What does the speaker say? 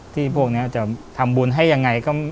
พวกนี้จะทำบุญให้ยังไง